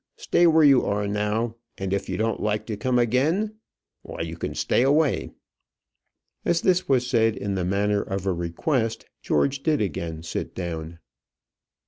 Stay where you are now, and if you don't like to come again, why you can stay away." As this was said in the manner of a request, George did again sit down.